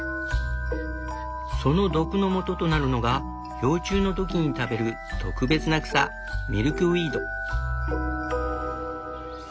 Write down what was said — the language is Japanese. その毒のもととなるのが幼虫の時に食べる特別な草ミルクウィード。